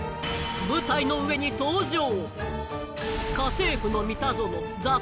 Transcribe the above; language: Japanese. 舞台の上に登場！